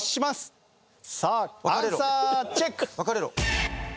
さあアンサーチェック！